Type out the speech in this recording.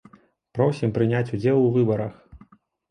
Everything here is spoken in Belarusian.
Просім прыняць удзел у выбарах!